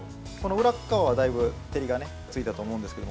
裏側はだいぶ照りがついたと思うんですけど